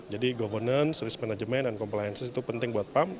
jadi governance risk management dan compliance itu penting buat pam